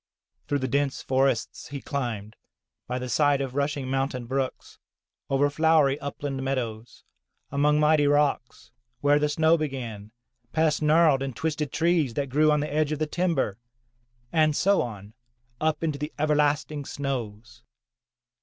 Through the dense forests he climbed, by the side of rushing mountain brooks, over flowery upland meadows, among mighty rocks, where the snow began, past gnarled and twisted trees that grew on the edge of the timber, and so on up into the everlasting snows.